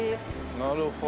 なるほど。